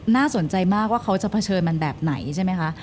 น่าสนใจมากว่าเขาจะเผชิญมันแบบไหนใช่ไหมคะ